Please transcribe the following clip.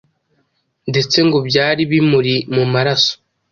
ndetse ngo byari bimuri mu maraso